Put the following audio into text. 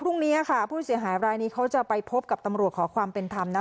พรุ่งนี้ค่ะผู้เสียหายรายนี้เขาจะไปพบกับตำรวจขอความเป็นธรรมนะ